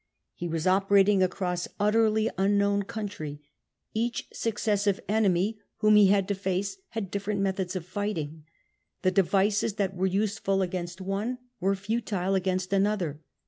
He was operating across utterly unknown country ; each successive enemy whom he had to face had diffe rent methods of fighting; the devices that were useful against one were futile against another.